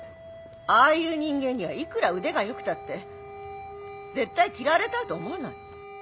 ああいう人間にはいくら腕がよくたって絶対切られたいと思わない